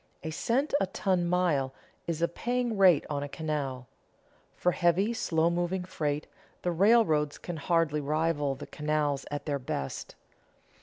A cent a ton mile is a paying rate on a canal. For heavy, slow moving freight, the railroads can hardly rival the canals at their best.